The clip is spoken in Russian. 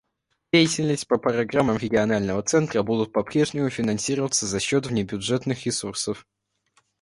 Деятельность по программам Регионального центра будет попрежнему финансироваться за счет внебюджетных ресурсов.